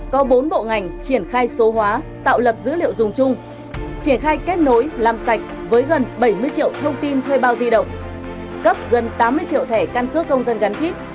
có bốn bộ ngành triển khai số hóa tạo lập dữ liệu dùng chung triển khai kết nối làm sạch với gần bảy mươi triệu thông tin thuê bao di động cấp gần tám mươi triệu thẻ căn cước công dân gắn chip